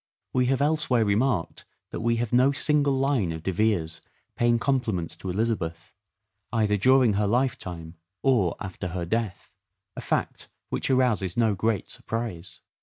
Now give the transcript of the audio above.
We have else where remarked that we have no single line of De Vere's paying compliments to Elizabeth, either during her lifetime or after her death ; a fact which arouses no great surprise.